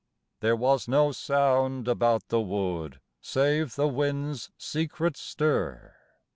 There was no sound about the wood Save the wind's secret stir.